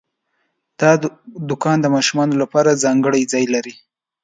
دا دوکان د ماشومانو لپاره ځانګړی ځای لري.